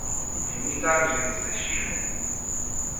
"Wiem i tak, że jesteś silny."